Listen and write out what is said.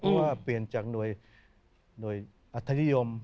เพราะว่าเปลี่ยนจากหน่วยอัธนิยม